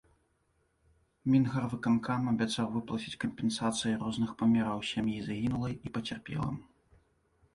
Мінгарвыканкам абяцаў выплаціць кампенсацыі розных памераў сям'і загінулай і пацярпелым.